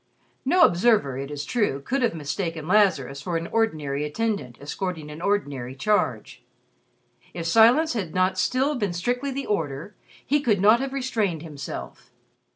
No observer, it is true, could have mistaken Lazarus for an ordinary attendant escorting an ordinary charge. If silence had not still been strictly the order, he could not have restrained himself.